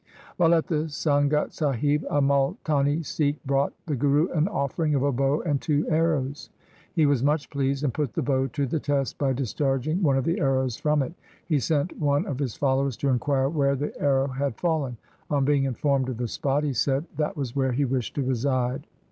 While at the Sangat Sahib, a Multani Sikh brought the Guru an offering of a bow and two arrows. He was much pleased, and put the bow to the test by discharging one of the arrows from it. He sent one of his followers to inquire where the arrow had fallen. On being informed of the spot he said that was where he wished to reside.